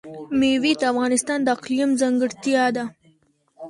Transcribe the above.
مېوې د افغانستان د اقلیم ځانګړتیا ده.